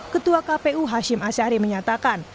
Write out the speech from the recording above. ketua kpu hashim ashari menyatakan